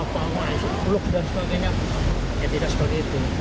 saung yang isi peluk dan sebagainya ya tidak seperti itu